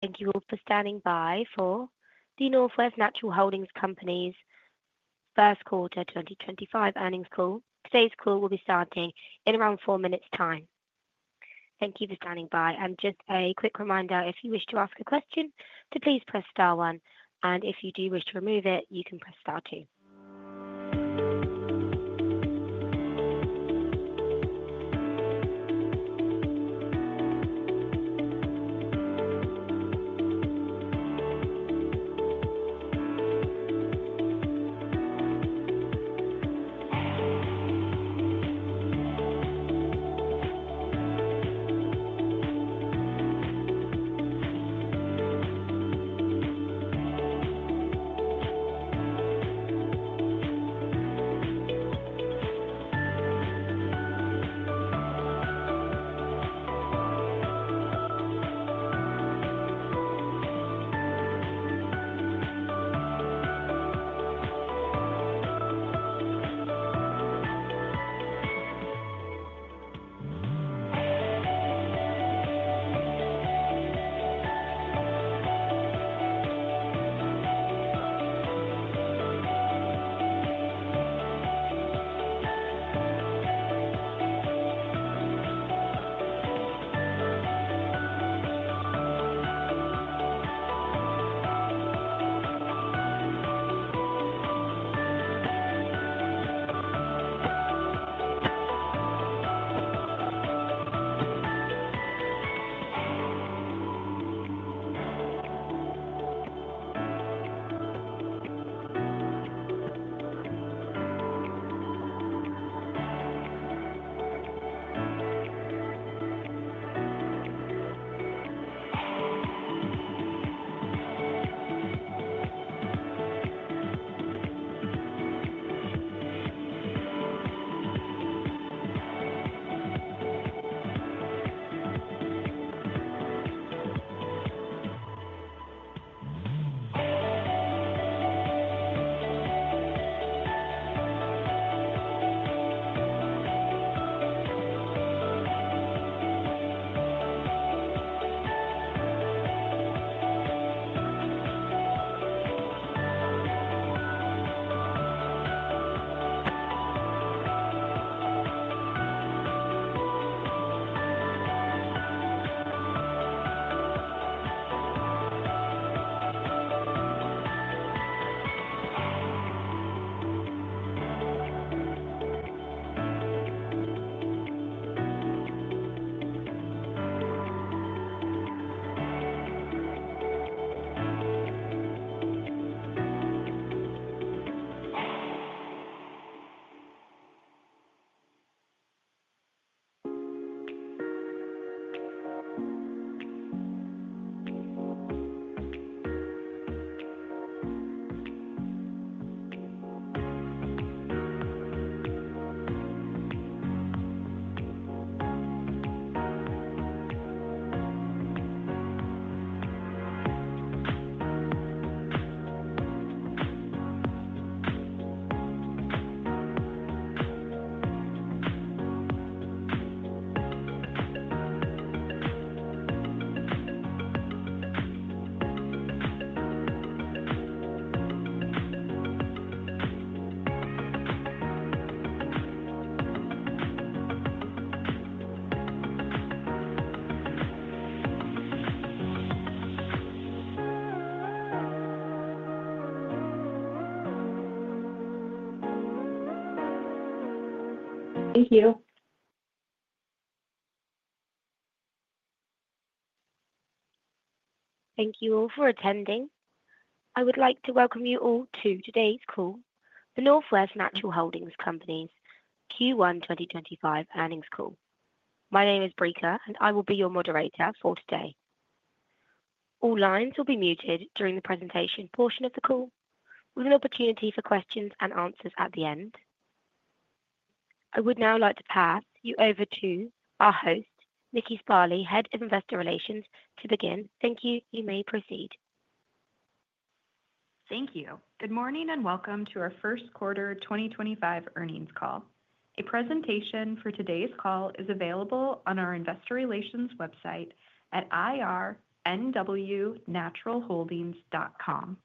Thank you all for standing by for the Northwest Natural Holding Company's first quarter 2025 earnings call. Today's call will be starting in around four minutes' time. Thank you for standing by. And just a quick reminder, if you wish to ask a question, please press star one. And if you do wish to remove it, you can press star two. Thank you. Thank you all for attending. I would like to welcome you all to today's call, the Northwest Natural Holding Company's Q1 2025 earnings call. My name is Breaker, and I will be your moderator for today. All lines will be muted during the presentation portion of the call, with an opportunity for questions and answers at the end. I would now like to pass you over to our host, Nikki Sparley, Head of Investor Relations, to begin. Thank you. You may proceed. Thank you. Good morning and welcome to our first quarter 2025 earnings call. A presentation for today's call is available on our Investor Relations website at irnwnaturalholdings.com.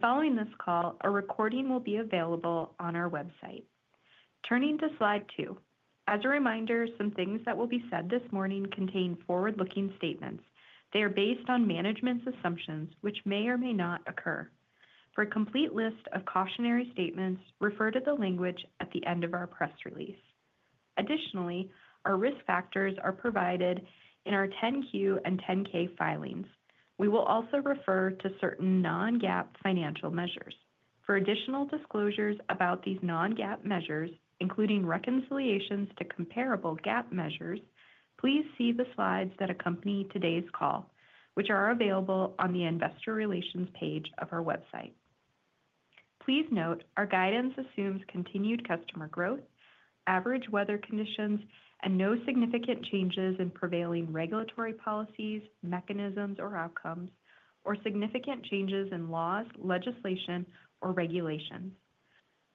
Following this call, a recording will be available on our website. Turning to slide two. As a reminder, some things that will be said this morning contain forward-looking statements. They are based on management's assumptions, which may or may not occur. For a complete list of cautionary statements, refer to the language at the end of our press release. Additionally, our risk factors are provided in our 10Q and 10K filings. We will also refer to certain non-GAAP financial measures. For additional disclosures about these non-GAAP measures, including reconciliations to comparable GAAP measures, please see the slides that accompany today's call, which are available on the Investor Relations page of our website. Please note, our guidance assumes continued customer growth, average weather conditions, and no significant changes in prevailing regulatory policies, mechanisms, or outcomes, or significant changes in laws, legislation, or regulations.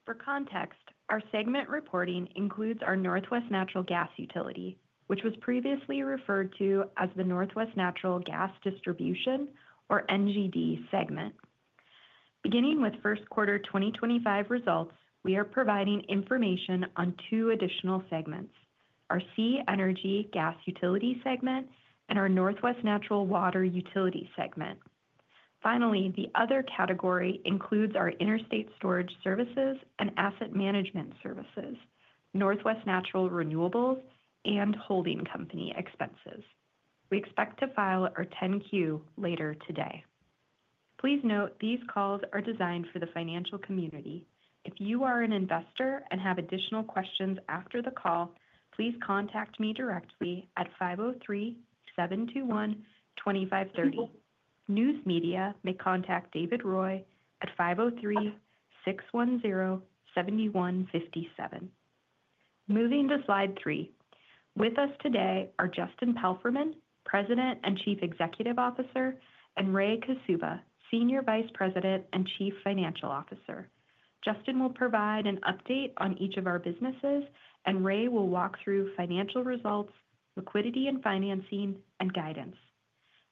For context, our segment reporting includes our Northwest Natural Gas Utility, which was previously referred to as the Northwest Natural Gas Distribution, or NGD, segment. Beginning with first quarter 2025 results, we are providing information on two additional segments: our SiEnergy gas utility segment and our Northwest Natural Water Utility segment. Finally, the other category includes our interstate storage services and asset management services, Northwest Natural Renewables, and holding company expenses. We expect to file our 10Q later today. Please note, these calls are designed for the financial community. If you are an investor and have additional questions after the call, please contact me directly at 503-721-2530. News media may contact David Roy at 503-610-7157. Moving to slide three. With us today are Justin Palfreyman, President and Chief Executive Officer, and Ray Kaszuba, Senior Vice President and Chief Financial Officer. Justin will provide an update on each of our businesses, and Ray will walk through financial results, liquidity and financing, and guidance.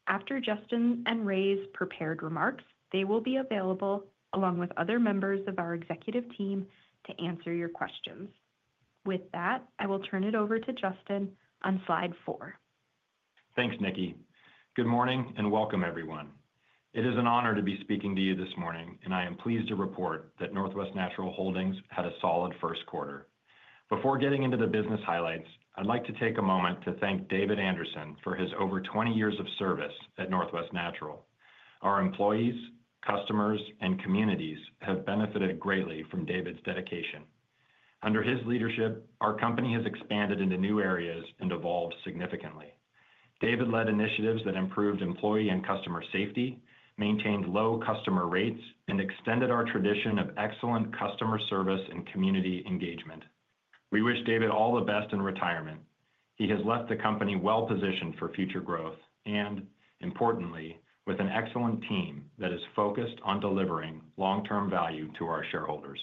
After Justin and Ray's prepared remarks, they will be available along with other members of our executive team to answer your questions. With that, I will turn it over to Justin on slide four. Thanks, Nikki. Good morning and welcome, everyone. It is an honor to be speaking to you this morning, and I am pleased to report that Northwest Natural Holdings had a solid first quarter. Before getting into the business highlights, I'd like to take a moment to thank David Anderson for his over 20 years of service at Northwest Natural. Our employees, customers, and communities have benefited greatly from David's dedication. Under his leadership, our company has expanded into new areas and evolved significantly. David led initiatives that improved employee and customer safety, maintained low customer rates, and extended our tradition of excellent customer service and community engagement. We wish David all the best in retirement. He has left the company well-positioned for future growth and, importantly, with an excellent team that is focused on delivering long-term value to our shareholders.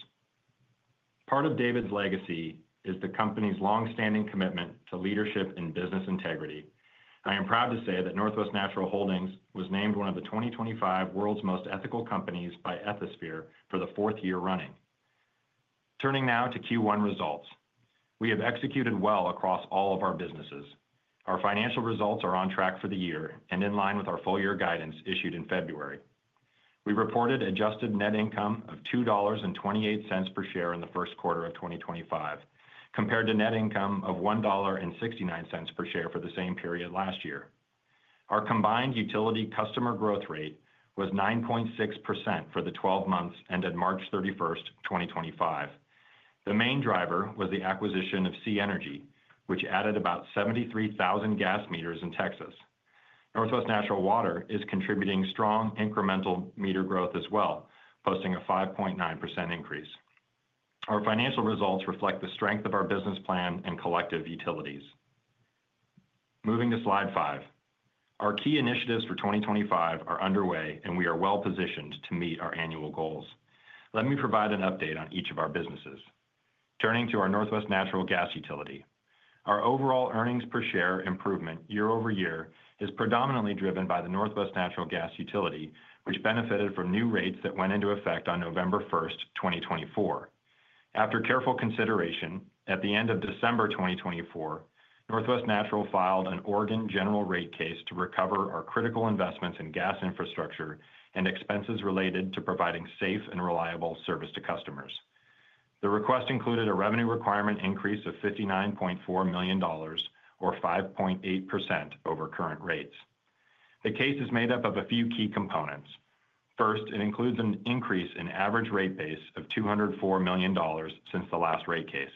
Part of David's legacy is the company's long-standing commitment to leadership and business integrity. I am proud to say that Northwest Natural Holdings was named one of the 2025 world's most ethical companies by Ethisphere for the fourth year running. Turning now to Q1 results, we have executed well across all of our businesses. Our financial results are on track for the year and in line with our full-year guidance issued in February. We reported adjusted net income of $2.28 per share in the first quarter of 2025, compared to net income of $1.69 per share for the same period last year. Our combined utility customer growth rate was 9.6% for the 12 months ended March 31st, 2025. The main driver was the acquisition of SiEnergy, which added about 73,000 gas meters in Texas. Northwest Natural Water is contributing strong incremental meter growth as well, posting a 5.9% increase. Our financial results reflect the strength of our business plan and collective utilities. Moving to slide five, our key initiatives for 2025 are underway, and we are well-positioned to meet our annual goals. Let me provide an update on each of our businesses. Turning to our Northwest Natural Gas Utility, our overall earnings per share improvement year over year is predominantly driven by the Northwest Natural Gas Utility, which benefited from new rates that went into effect on November 1st, 2024. After careful consideration, at the end of December 2024, Northwest Natural filed a general rate case to recover our critical investments in gas infrastructure and expenses related to providing safe and reliable service to customers. The request included a revenue requirement increase of $59.4 million, or 5.8% over current rates. The case is made up of a few key components. First, it includes an increase in average rate base of $204 million since the last rate case.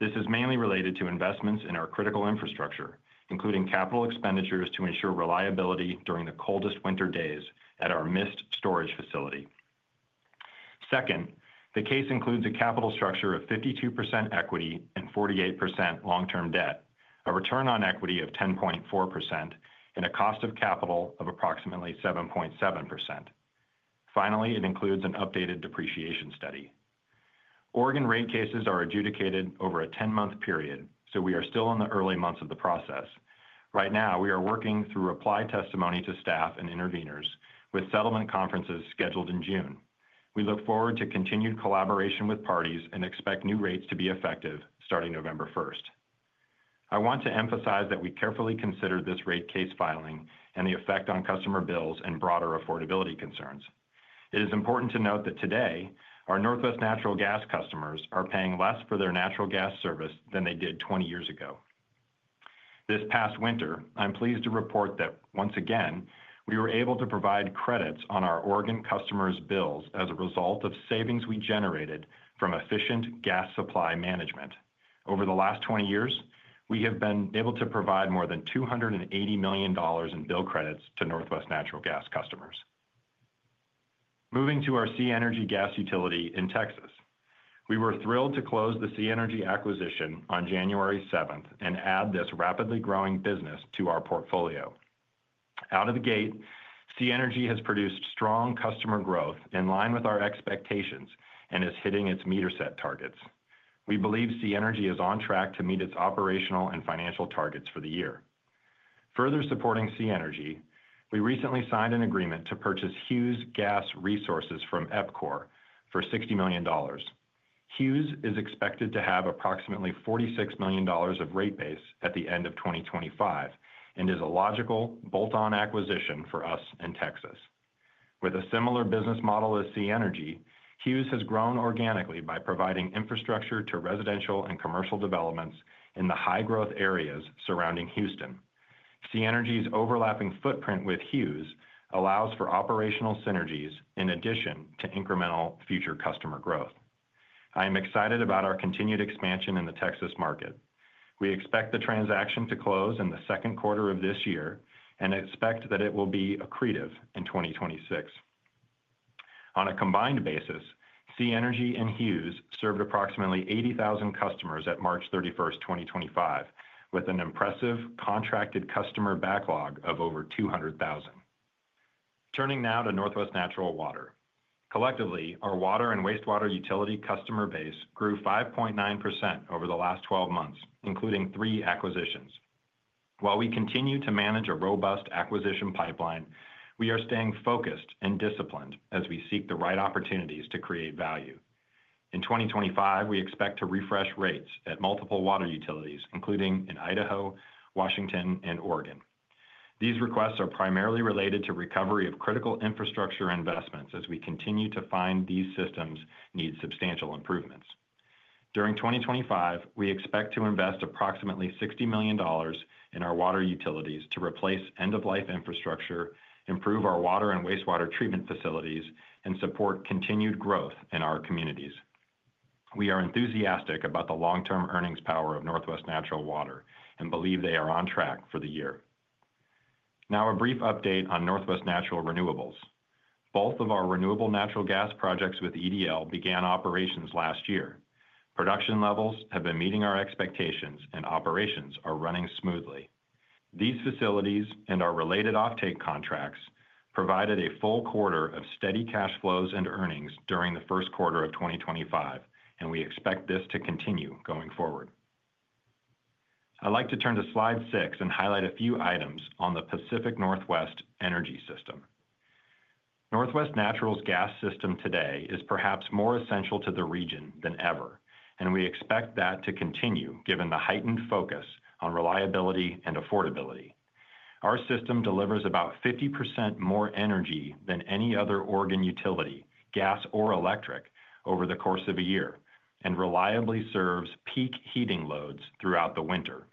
This is mainly related to investments in our critical infrastructure, including capital expenditures to ensure reliability during the coldest winter days at our Mist storage facility. Second, the case includes a capital structure of 52% equity and 48% long-term debt, a return on equity of 10.4%, and a cost of capital of approximately 7.7%. Finally, it includes an updated depreciation study. Oregon rate cases are adjudicated over a 10 month period, so we are still in the early months of the process. Right now, we are working through reply testimony to staff and interveners, with settlement conferences scheduled in June. We look forward to continued collaboration with parties and expect new rates to be effective starting November 1st. I want to emphasize that we carefully considered this rate case filing and the effect on customer bills and broader affordability concerns. It is important to note that today, our Northwest Natural Gas customers are paying less for their natural gas service than they did 20 years ago. This past winter, I'm pleased to report that once again, we were able to provide credits on our Oregon customers' bills as a result of savings we generated from efficient gas supply management. Over the last 20 years, we have been able to provide more than $280 million in bill credits to Northwest Natural Gas customers. Moving to our SiEnergy Gas Utility in Texas, we were thrilled to close the SiEnergy acquisition on January 7 and add this rapidly growing business to our portfolio. Out of the gate, SiEnergy has produced strong customer growth in line with our expectations and is hitting its meter set targets. We believe SiEnergy is on track to meet its operational and financial targets for the year. Further supporting SiEnergy, we recently signed an agreement to purchase Hughes Gas Resources from Epcor for $60 million. Hughes is expected to have approximately $46 million of rate base at the end of 2025 and is a logical bolt-on acquisition for us in Texas. With a similar business model as SiEnergy, Hughes has grown organically by providing infrastructure to residential and commercial developments in the high-growth areas surrounding Houston. SiEnergy's overlapping footprint with Hughes allows for operational synergies in addition to incremental future customer growth. I am excited about our continued expansion in the Texas market. We expect the transaction to close in the second quarter of this year and expect that it will be accretive in 2026. On a combined basis, SiEnergy and Hughes served approximately 80,000 customers at March 31st, 2025, with an impressive contracted customer backlog of over 200,000. Turning now to Northwest Natural Water. Collectively, our water and wastewater utility customer base grew 5.9% over the last 12 months, including three acquisitions. While we continue to manage a robust acquisition pipeline, we are staying focused and disciplined as we seek the right opportunities to create value. In 2025, we expect to refresh rates at multiple water utilities, including in Idaho, Washington, and Oregon. These requests are primarily related to recovery of critical infrastructure investments as we continue to find these systems need substantial improvements. During 2025, we expect to invest approximately $60 million in our water utilities to replace end-of-life infrastructure, improve our water and wastewater treatment facilities, and support continued growth in our communities. We are enthusiastic about the long-term earnings power of Northwest Natural Water and believe they are on track for the year. Now, a brief update on Northwest Natural Renewables. Both of our renewable natural gas projects with EDL began operations last year. Production levels have been meeting our expectations, and operations are running smoothly. These facilities and our related offtake contracts provided a full quarter of steady cash flows and earnings during the first quarter of 2025, and we expect this to continue going forward. I'd like to turn to slide six and highlight a few items on the Pacific Northwest Energy System. Northwest Natural's gas system today is perhaps more essential to the region than ever, and we expect that to continue given the heightened focus on reliability and affordability. Our system delivers about 50% more energy than any other Oregon utility, gas or electric, over the course of a year and reliably serves peak heating loads throughout the winter.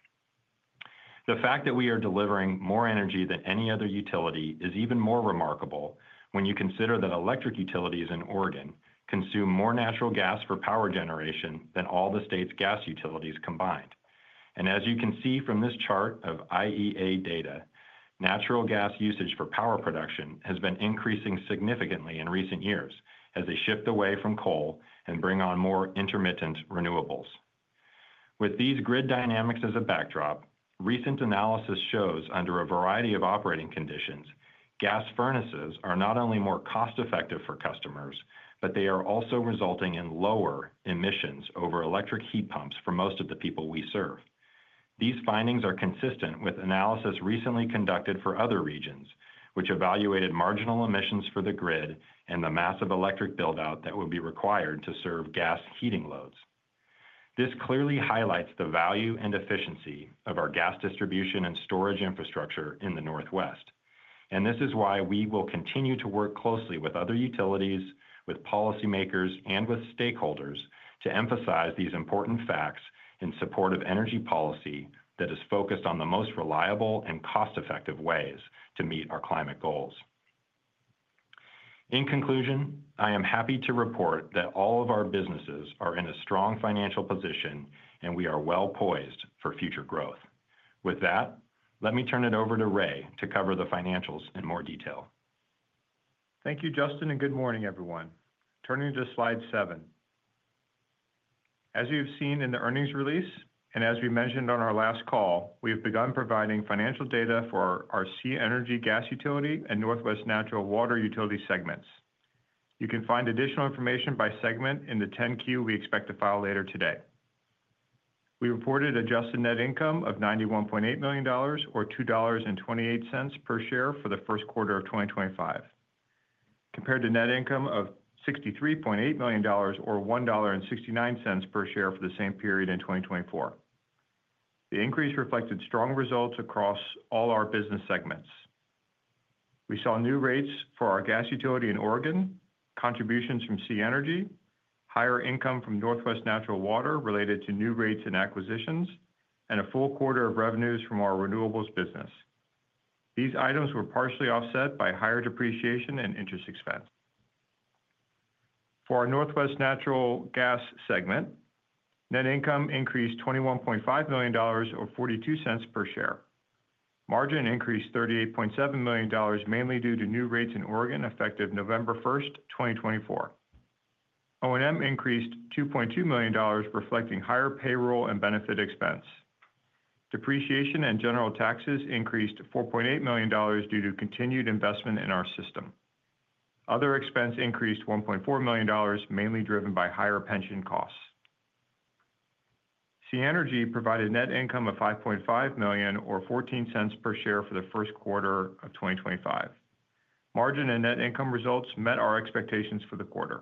The fact that we are delivering more energy than any other utility is even more remarkable when you consider that electric utilities in Oregon consume more natural gas for power generation than all the state's gas utilities combined. As you can see from this chart of IEA data, natural gas usage for power production has been increasing significantly in recent years as they shift away from coal and bring on more intermittent renewables. With these grid dynamics as a backdrop, recent analysis shows under a variety of operating conditions, gas furnaces are not only more cost-effective for customers, but they are also resulting in lower emissions over electric heat pumps for most of the people we serve. These findings are consistent with analysis recently conducted for other regions, which evaluated marginal emissions for the grid and the massive electric buildout that would be required to serve gas heating loads. This clearly highlights the value and efficiency of our gas distribution and storage infrastructure in the Northwest, and this is why we will continue to work closely with other utilities, with policymakers, and with stakeholders to emphasize these important facts in support of energy policy that is focused on the most reliable and cost-effective ways to meet our climate goals. In conclusion, I am happy to report that all of our businesses are in a strong financial position, and we are well poised for future growth. With that, let me turn it over to Ray to cover the financials in more detail. Thank you, Justin, and good morning, everyone. Turning to slide seven. As you've seen in the earnings release, and as we mentioned on our last call, we have begun providing financial data for our SiEnergy Gas Utility and Northwest Natural Water Utility segments. You can find additional information by segment in the 10Q we expect to file later today. We reported adjusted net income of $91.8 million, or $2.28 per share for the first quarter of 2025, compared to net income of $63.8 million, or $1.69 per share for the same period in 2024. The increase reflected strong results across all our business segments. We saw new rates for our gas utility in Oregon, contributions from SiEnergy, higher income from Northwest Natural Water related to new rates and acquisitions, and a full quarter of revenues from our renewables business. These items were partially offset by higher depreciation and interest expense. For our Northwest Natural Gas segment, net income increased $21.5 million, or $0.42 per share. Margin increased $38.7 million, mainly due to new rates in Oregon effective November 1st, 2024. O&M increased $2.2 million, reflecting higher payroll and benefit expense. Depreciation and general taxes increased $4.8 million due to continued investment in our system. Other expense increased $1.4 million, mainly driven by higher pension costs. SiEnergy provided net income of $5.5 million, or $0.14 per share for the first quarter of 2025. Margin and net income results met our expectations for the quarter.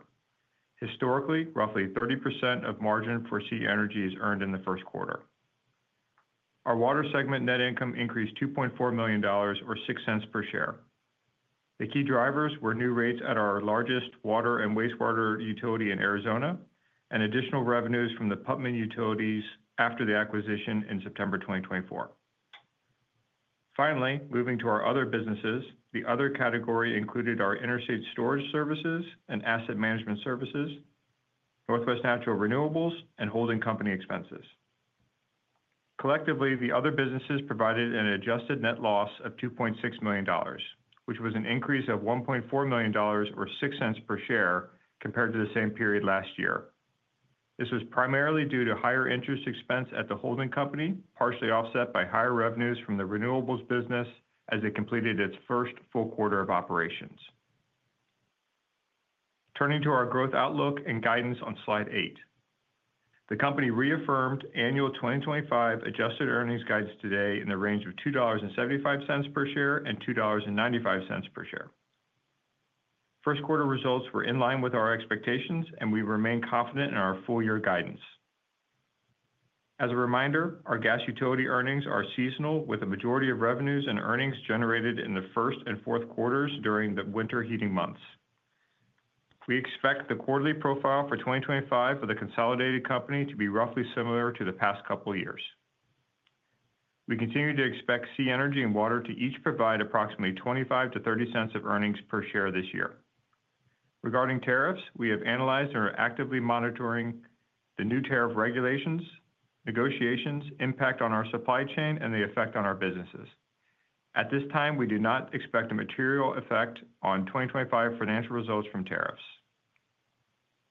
Historically, roughly 30% of margin for SiEnergy is earned in the first quarter. Our water segment net income increased $2.4 million, or $0.06 per share. The key drivers were new rates at our largest water and wastewater utility in Arizona and additional revenues from the Putman Utilities after the acquisition in September 2024. Finally, moving to our other businesses, the other category included our interstate storage services and asset management services, Northwest Natural Renewables, and holding company expenses. Collectively, the other businesses provided an adjusted net loss of $2.6 million, which was an increase of $1.4 million, or $0.06 per share compared to the same period last year. This was primarily due to higher interest expense at the holding company, partially offset by higher revenues from the renewables business as it completed its first full quarter of operations. Turning to our growth outlook and guidance on slide eight, the company reaffirmed annual 2025 adjusted earnings guidance today in the range of $2.75 per share-$2.95 per share. First quarter results were in line with our expectations, and we remain confident in our full-year guidance. As a reminder, our gas utility earnings are seasonal, with a majority of revenues and earnings generated in the first and fourth quarters during the winter heating months. We expect the quarterly profile for 2025 for the consolidated company to be roughly similar to the past couple of years. We continue to expect SiEnergy and Water to each provide approximately $0.25-$0.30 of earnings per share this year. Regarding tariffs, we have analyzed and are actively monitoring the new tariff regulations, negotiations, impact on our supply chain, and the effect on our businesses. At this time, we do not expect a material effect on 2025 financial results from tariffs.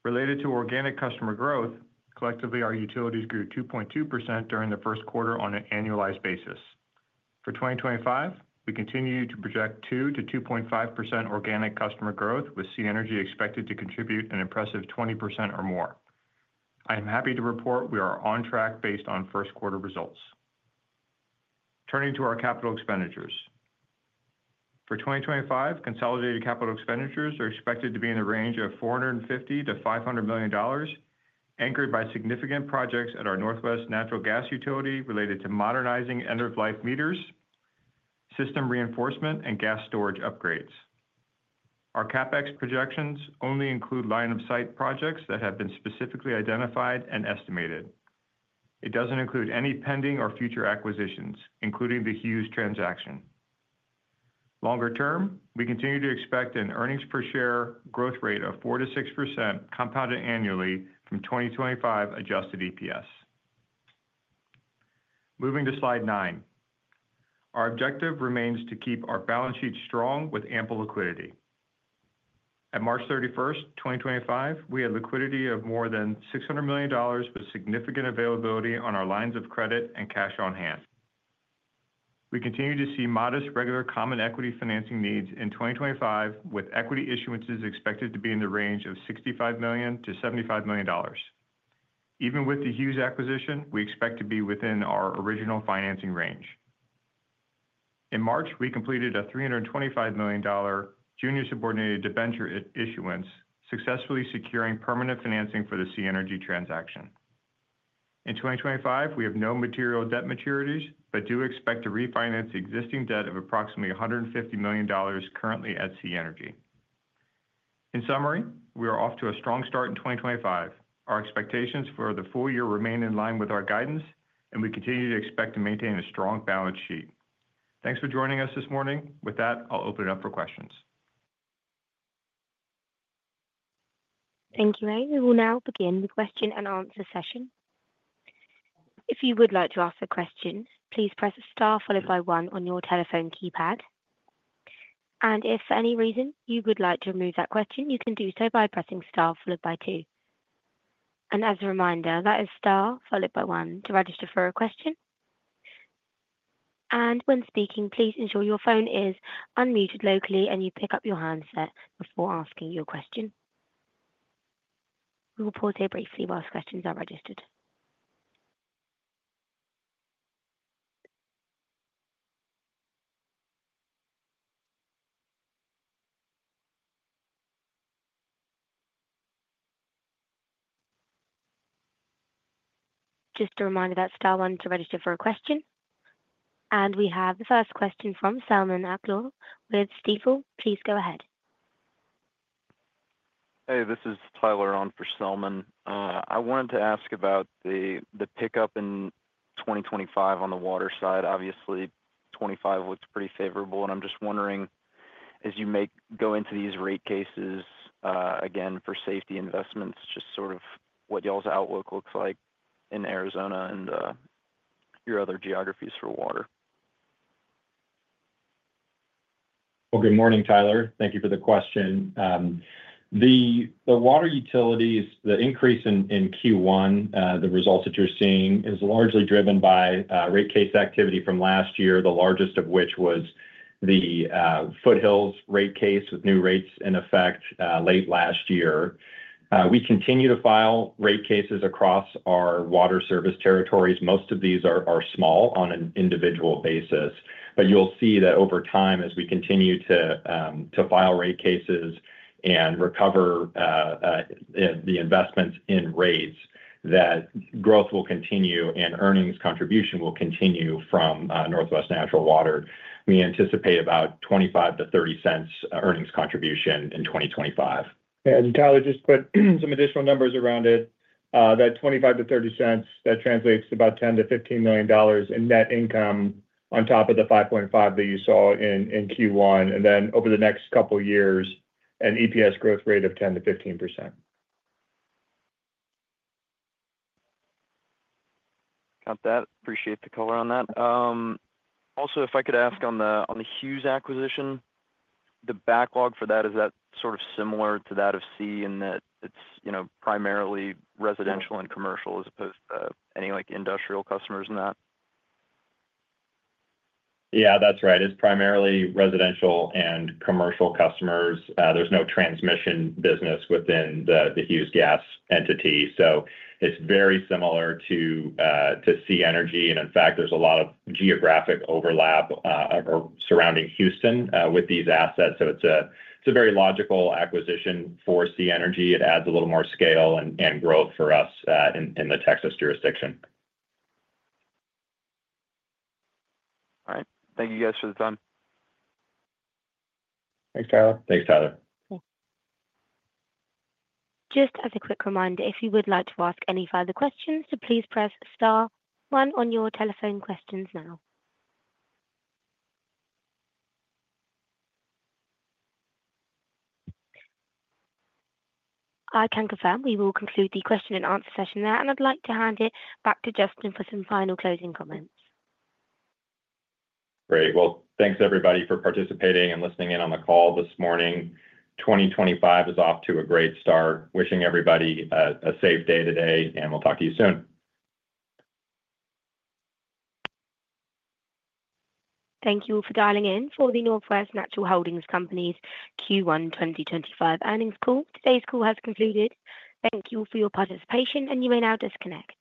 Related to organic customer growth, collectively, our utilities grew 2.2% during the first quarter on an annualized basis. For 2025, we continue to project 2%-2.5% organic customer growth, with SiEnergy expected to contribute an impressive 20% or more. I am happy to report we are on track based on first quarter results. Turning to our capital expenditures. For 2025, consolidated capital expenditures are expected to be in the range of $450 million-$500 million, anchored by significant projects at our Northwest Natural Gas Utility related to modernizing end-of-life meters, system reinforcement, and gas storage upgrades. Our CapEx projections only include line-of-sight projects that have been specifically identified and estimated. It does not include any pending or future acquisitions, including the Hughes transaction. Longer term, we continue to expect an earnings per share growth rate of 4%-6% compounded annually from 2025 adjusted EPS. Moving to slide nine, our objective remains to keep our balance sheet strong with ample liquidity. At March 31, 2025, we had liquidity of more than $600 million, with significant availability on our lines of credit and cash on hand. We continue to see modest regular common equity financing needs in 2025, with equity issuances expected to be in the range of $65 million-$75 million. Even with the Hughes Gas Resources acquisition, we expect to be within our original financing range. In March, we completed a $325 million junior subordinated debenture issuance, successfully securing permanent financing for the SiEnergy transaction. In 2025, we have no material debt maturities, but do expect to refinance existing debt of approximately $150 million currently at SiEnergy. In summary, we are off to a strong start in 2025. Our expectations for the full year remain in line with our guidance, and we continue to expect to maintain a strong balance sheet. Thanks for joining us this morning. With that, I'll open it up for questions. Thank you, Ray. We will now begin the question and answer session. If you would like to ask a question, please press star followed by one on your telephone keypad. If for any reason you would like to remove that question, you can do so by pressing star followed by two. As a reminder, that is star followed by one to register for a question. When speaking, please ensure your phone is unmuted locally and you pick up your handset before asking your question. We will pause here briefly whilst questions are registered. Just a reminder that star one to register for a question. We have the first question from Salman Aklul with Stifel. Please go ahead. Hey, this is Tyler on for Salman. I wanted to ask about the pickup in 2025 on the water side. Obviously, 2025 looked pretty favorable, and I'm just wondering, as you go into these rate cases, again, for safety investments, just sort of what y'all's outlook looks like in Arizona and your other geographies for water. Good morning, Tyler. Thank you for the question. The water utilities, the increase in Q1, the results that you're seeing is largely driven by rate case activity from last year, the largest of which was the Foothills rate case with new rates in effect late last year. We continue to file rate cases across our water service territories. Most of these are small on an individual basis, but you'll see that over time, as we continue to file rate cases and recover the investments in rates, that growth will continue and earnings contribution will continue from Northwest Natural Water. We anticipate about $0.25-$0.30 earnings contribution in 2025. Tyler, just put some additional numbers around it. That $0.25-$0.30, that translates to about $10-$15 million in net income on top of the $5.5 million that you saw in Q1. And then over the next couple of years, an EPS growth rate of 10%-15%. Count that. Appreciate the color on that. Also, if I could ask on the Hughes acquisition, the backlog for that, is that sort of similar to that of SiEnergy in that it's primarily residential and commercial as opposed to any industrial customers in that? Yeah, that's right. It's primarily residential and commercial customers. There's no transmission business within the Hughes Gas Resources entity. It's very similar to SiEnergy. In fact, there's a lot of geographic overlap surrounding Houston with these assets. It's a very logical acquisition for SiEnergy. It adds a little more scale and growth for us in the Texas jurisdiction. All right. Thank you guys for the time. Thanks, Tyler. Just as a quick reminder, if you would like to ask any further questions, please press star one on your telephone now. I can confirm we will conclude the question and answer session there, and I'd like to hand it back to Justin for some final closing comments. Great. Thanks everybody for participating and listening in on the call this morning. 2025 is off to a great start. Wishing everybody a safe day today, and we'll talk to you soon. Thank you for dialing in for the Northwest Natural Holding Company's Q1 2025 earnings call. Today's call has concluded. Thank you for your participation, and you may now disconnect.